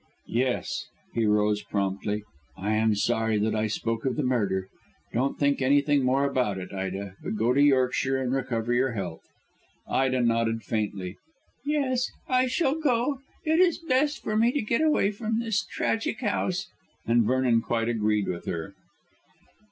"Yes." He rose promptly. "I am sorry that I spoke of the murder. Don't think anything more about it, Ida, but go to Yorkshire and recover your health." Ida nodded faintly. "Yes; I shall go. It is best for me to get away from this tragic house." And Vernon quite agreed with her.